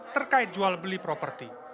terkait jual beli properti